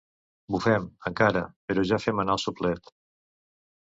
Bufem, encara, però ja fem anar el “soplet”.